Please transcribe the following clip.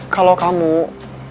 kalau kamu pulang